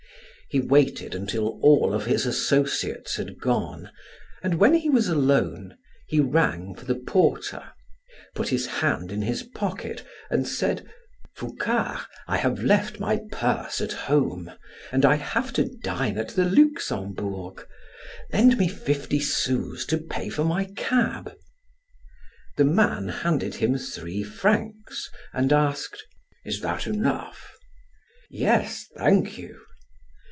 He waited until all of his associates had gone and when he was alone, he rang for the porter, put his hand in his pocket and said: "Foucart, I have left my purse at home and I have to dine at the Luxembourg. Lend me fifty sous to pay for my cab." The man handed him three francs and asked: "Is that enough?" "Yes, thank you."